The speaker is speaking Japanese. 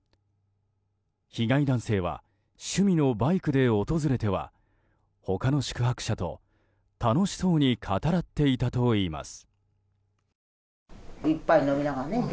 被害男性は趣味のバイクで訪れては他の宿泊者と楽しそうに語らっていたといいます。